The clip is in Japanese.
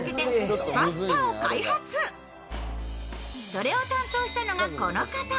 それを担当したのはこの方。